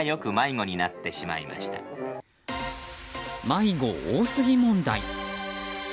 迷子多すぎ問題。